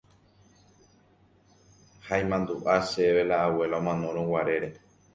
ha imandu'a chéve la abuela omanorãguarére